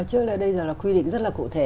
trước đây là quy định rất là cụ thể